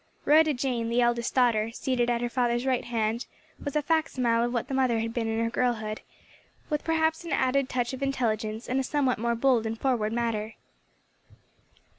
Rhoda Jane, the eldest daughter, seated at her father's right hand, was a fac simile of what the mother had been in her girlhood, with perhaps an added touch of intelligence and a somewhat more bold and forward manner.